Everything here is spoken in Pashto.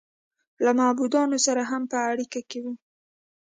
له معبودانو سره هم په اړیکه کې و